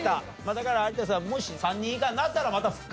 だから有田さんもし３人以下になったらまた復活は。